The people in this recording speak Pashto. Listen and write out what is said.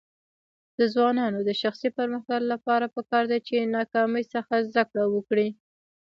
د ځوانانو د شخصي پرمختګ لپاره پکار ده چې ناکامۍ څخه زده کړه وکړي.